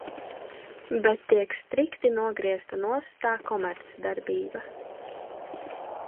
Bet tiek strikti nogriezta nost tā komercdarbība.